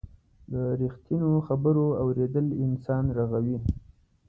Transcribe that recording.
د رښتینو خبرو اورېدل انسان رغوي.